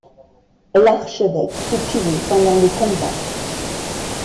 L'archevêque fut tué pendant le combat.